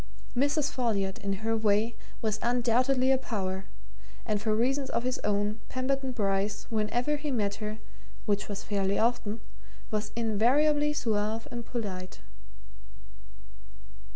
Mrs. Folliot, in her way, was undoubtedly a power and for reasons of his own Pemberton Bryce, whenever he met her which was fairly often was invariably suave and polite.